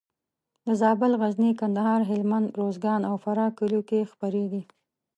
د زابل، غزني، کندهار، هلمند، روزګان او فراه کلیو کې خپرېږي.